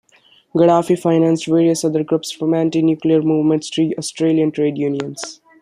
Gaddafi financed various other groups from anti-nuclear movements to Australian trade unions.